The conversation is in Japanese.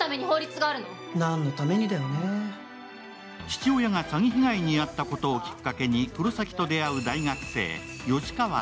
父親が詐欺被害に遭ったことをきっかけに、黒崎と出会う氷柱。